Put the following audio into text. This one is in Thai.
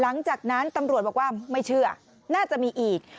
หลังจากนั้นตำรวจบอกว่าไม่เชื่อน่าจะมีอีก